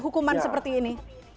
hukuman seperti ini